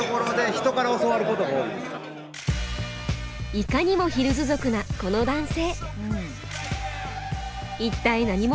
いかにもヒルズ族なこの男性。